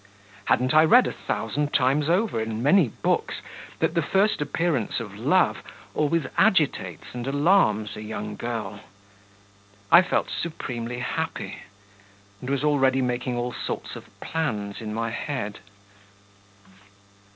Hadn't I read a thousand times over in many books that the first appearance of love always agitates and alarms a young girl? I felt supremely happy, and was already making all sorts of plans in my head.